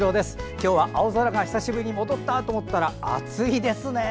今日は青空が久しぶりに戻ったと思ったら暑いですね。